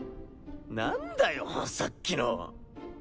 何だよさっきの！